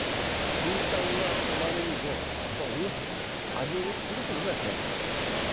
リン酸がタマネギの葉っぱを大きくする味をよくするということが知られてます。